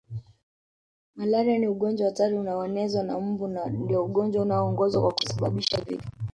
Malaria ni ugonjwa hatari unaonezwa na mbu na ndio ugonjwa unaoongoza kwa kusababisha vifo